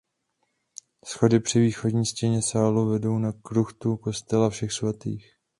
Schody při východní stěně sálu vedou na kruchtu kostela Všech svatých.